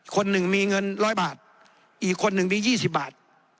คนหนึ่งมีเงินร้อยบาทอีกคนหนึ่งมียี่สิบบาท